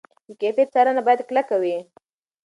د کیفیت څارنه باید کلکه وي.